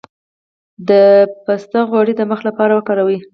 د پسته غوړي د مخ لپاره وکاروئ